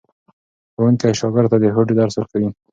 ښوونکی شاګرد ته د هوډ درس ورکوي.